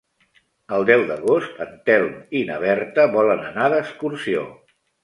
El deu d'agost en Telm i na Berta volen anar d'excursió.